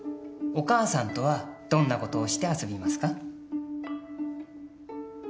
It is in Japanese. お母さんとはどんなことをして遊びますか？